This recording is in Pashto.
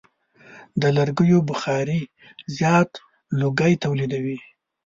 د لرګیو بخاري زیات لوګی تولیدوي.